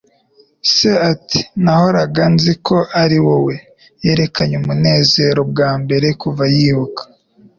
Se ati: "Nahoraga nzi ko ari wowe.", Yerekanye umunezero bwa mbere kuva yibuka.